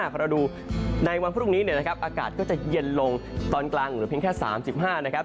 พอเราดูในวันพรุ่งนี้อากาศก็จะเย็นลงตอนกลางหรือเพียงแค่๓๕